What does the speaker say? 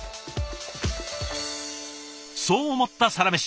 そう思った「サラメシ」